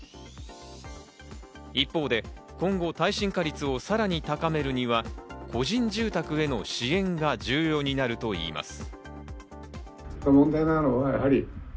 一方で今後、耐震化率をさらに高めるには、個人住宅への支援が重要になるといいます。